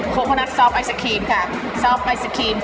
โครโคโนัทซอฟต์ไอศกรีมค่ะ